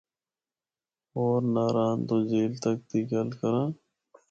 ہور ناران تو جھیل تک دی گل کرّاں۔